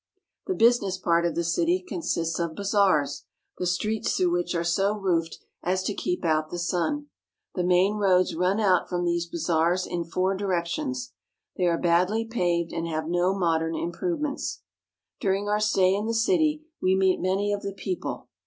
The business part of the city consists of bazaars, the streets through which are so roofed as to keep out the sun. The main roads run out from these bazaars in four directions. They are badly paved and have no modern improvements. During our stay in the city we meet many of the peo ple.